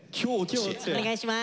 お願いします！